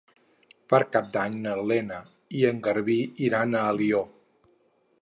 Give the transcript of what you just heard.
Per Cap d'Any na Lena i en Garbí iran a Alió.